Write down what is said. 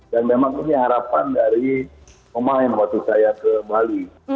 dan memang ini harapan dari pemain waktu saya ke bali